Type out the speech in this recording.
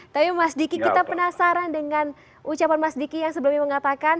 tapi mas diki kita penasaran dengan ucapan mas diki yang sebelumnya mengatakan